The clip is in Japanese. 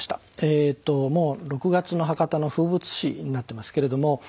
もう６月の博多の風物詩になってますけれども。